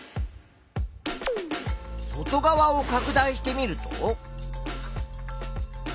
外側をかく大してみると。